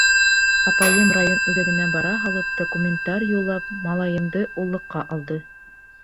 Апайым район үҙәгенә бара һалып, документтар юллап, малайымды уллыҡҡа алды.